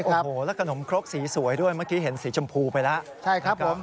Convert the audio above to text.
และขนมคร็กสีสวยด้วยเมื่อกี้เห็นสีชมพูไปแล้ว